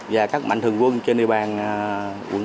và các mạnh thường quân trên địa bàn quận tám